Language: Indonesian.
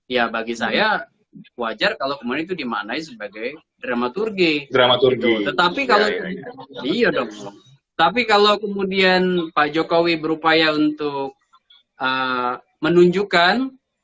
ya bagi saya wajar kalau kemudian itu dimaknai sebagai dramaturgi tetapi kalau pak jokowi berupaya untuk menunjukkan